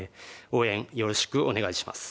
応援よろしくお願いします。